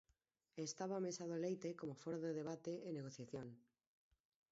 E estaba a Mesa do Leite como foro de debate e negociación.